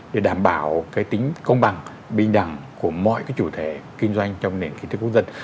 để đảm bảo cái tính công bằng bình đẳng của mọi cái chủ thể kinh doanh trong nền kinh tế quốc dân